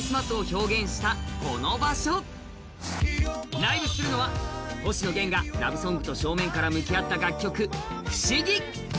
ライブするのは星野源がラブソングと真正面から向き合った楽曲「不思議」。